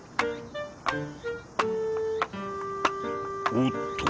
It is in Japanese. おっと。